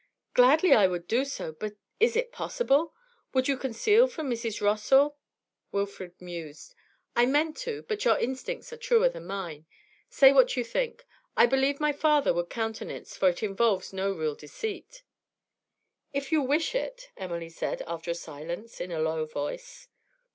'Gladly I would do so but is it possible? Would you conceal from Mrs. Rossall ' Wilfrid mused. 'I meant to. But your instincts are truer than mine; say what you think. I believe my father would countenance it, for it involves no real deceit.' 'If you wish it,' Emily said, after a silence, in a low voice.